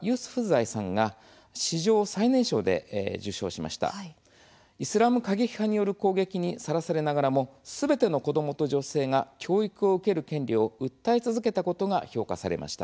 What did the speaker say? イスラム過激派による攻撃にさらされながらもすべての子どもと女性が教育を受ける権利を訴え続けたことが評価されました。